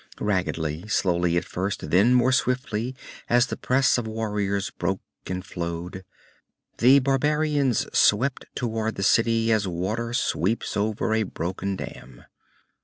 Raggedly, slowly at first, then more swiftly as the press of warriors broke and flowed, the barbarians swept toward the city as water sweeps over a broken dam.